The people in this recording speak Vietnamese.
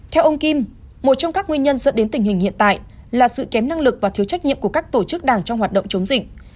theo ông kim một trong các nguyên nhân dẫn đến tình hình hiện tại là sự kém năng lực và thiếu trách nhiệm của các tổ chức đảng trong hoạt động chống dịch